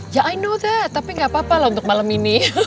ya i know that tapi gak apa apa lah untuk malam ini